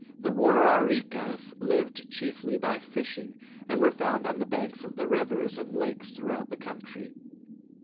The War are ree kas lived chiefly by fishing, and were found on the banks of the rivers and lakes throughout the country.